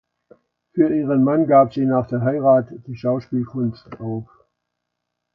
Für ihren Mann gab sie nach der Heirat die Schauspielkunst auf.